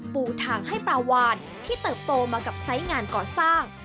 ปูทางให้ปลาวานที่เติบโตมากับไซส์งานก่อสร้าง